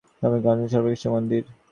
আমরাই হচ্ছি ভগবানের সর্বশ্রেষ্ঠ মন্দির।